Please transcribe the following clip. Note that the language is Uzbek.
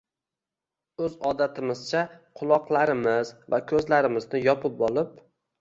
o‘z odatimizcha, quloqlarimiz va ko‘zlarimizni yopib olib